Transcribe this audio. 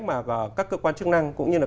mà các cơ quan chức năng cũng như là